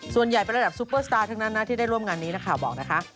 ส่วนใหญ่เป็นระดับซุปเปอร์สตาร์ทั้งนั้นนะที่ได้ร่วมงานนี้นักข่าวบอกนะคะ